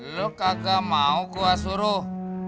lo kagak mau kua suruh